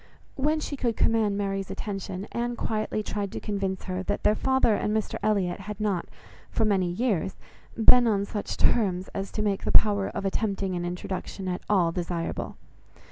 When she could command Mary's attention, Anne quietly tried to convince her that their father and Mr Elliot had not, for many years, been on such terms as to make the power of attempting an introduction at all desirable.